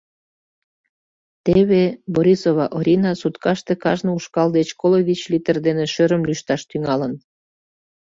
Теве Борисова Орина суткаште кажне ушкал деч коло вич литр дене шӧрым лӱшташ тӱҥалын.